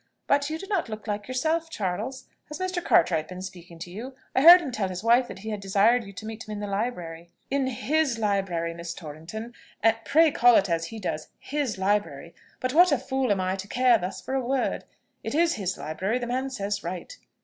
But you do not look like yourself, Charles. Has Mr. Cartwright been speaking to you? I heard him tell his wife that he had desired you to meet him in the library." "In his library, Miss Torrington; pray call it as he does his library But what a fool am I to care thus for a word! It is his library; the man says right.